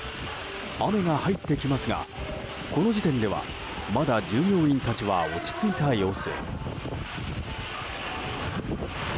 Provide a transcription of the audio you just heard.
雨が入ってきますがこの時点ではまだ従業員たちは落ち着いた様子。